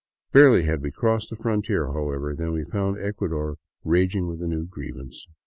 Barely had we crossed the frontier, however, than we found Ecuador raging with a new grievance.